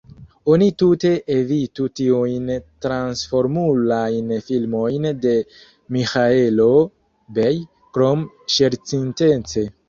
Oni tute evitu tiujn Transformulajn filmojn de Miĥaelo Bej, krom ŝercintence.